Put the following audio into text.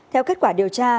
theo kết quả điều tra